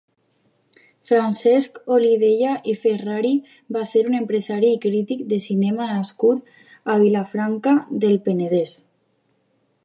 Francesc Olivella i Ferrari va ser un empresari i crític de cinema nascut a Vilafranca del Penedès.